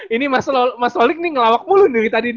ini mas lolic nih ngelawak mulu dari tadi